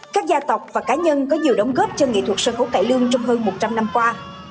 các gia tộc và cá nhân có nhiều đóng góp cho nghệ thuật sân khấu cải lương trong hơn một trăm linh năm qua